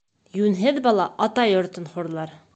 Йүнһеҙ бала ата йортон хурлар.